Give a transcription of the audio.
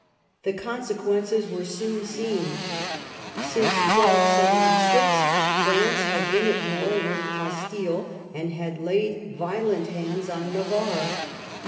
The consequences were soon seen. Since 1276 France had been at war with Castile, and had laid violent hands on Navarre.